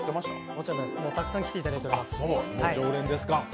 もちろんです、たくさん来ていただいています。